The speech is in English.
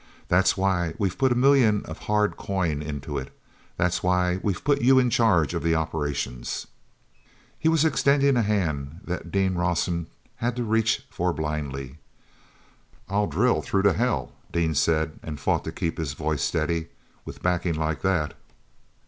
That's why we've put a million of hard coin into it. That's why we've put you in charge of operations." He was extending a hand that Dean Rawson had to reach for blindly. "I'd drill through to hell," Dean said and fought to keep his voice steady, "with backing like that!"